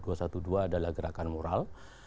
dua ratus dua belas adalah gerakan moral